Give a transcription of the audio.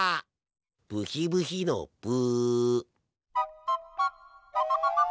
ブヒブヒのブ。